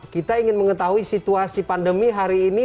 kita ingin mengetahui situasi pandemi hari ini